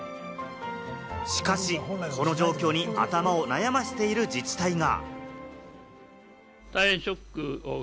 しかし、この状況に頭を悩ませている自治体が。